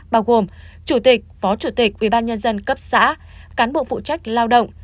bao gồm chủ tịch phó chủ tịch ubnd cấp xã cán bộ phụ trách lao động